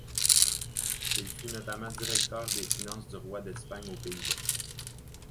Il fut notamment directeur des finances du roi d'Espagne aux Pays-Bas.